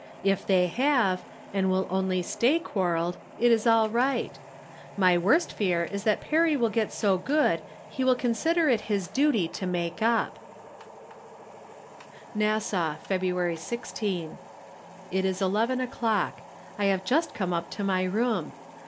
If they have, and will only stay quarreled, it is all right. My worst fear is that Perry will get so good he will consider it his duty to make up. 92 From Different Standpoints. Nassau, February 16. It is eleven o'clock. I have just come up to my room.